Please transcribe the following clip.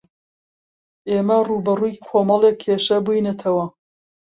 ئێمە ڕووبەڕووی کۆمەڵێک کێشە بووینەتەوە.